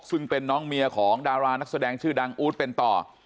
ซึ่งเป็นน้องเมียของดารานักแสดงชื่อดังอู๊ดเป็นต่อ